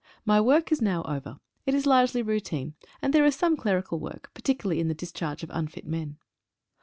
My work is now over; it Is largely routine, and there is some clerical work, particularrjvmi the discharge of unfit men.